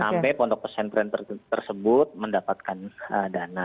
sampai pondok pesantren tersebut mendapatkan dana